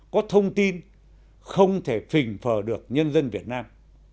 có thông tin không thể phình phờ được nhân dân việt nam